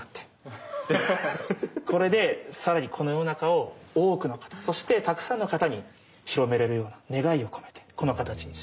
これで更にこの世の中を多くの方そしてたくさんの方に広められるような願いを込めてこの形にしました。